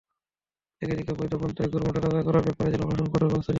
এদিকে অবৈধ পন্থায় গরু মোটাতাজা করার ব্যাপারে জেলা প্রশাসন কঠোর ব্যবস্থা নিয়েছে।